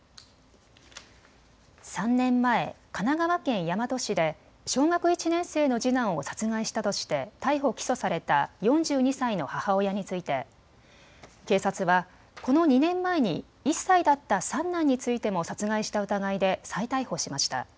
３年前、神奈川県大和市で小学１年生の次男を殺害したとして逮捕・起訴された４２歳の母親について警察はこの２年前に１歳だった三男についても殺害した疑いで再逮捕しました。